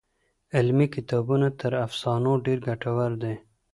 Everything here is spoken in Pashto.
علمي کتابونه تر افسانو ډېر ګټور دي.